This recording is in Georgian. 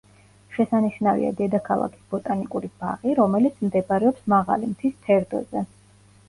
შესანიშნავია დედაქალაქის ბოტანიკური ბაღი, რომელიც მდებარეობს მაღალი მთის ფერდოზე.